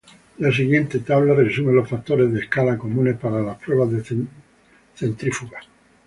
La siguiente tabla resume los factores de escala comunes para las pruebas de centrífugas.